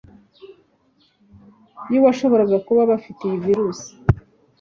y'uwabashobora kuba bafite iyi virus,